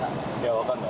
分からない。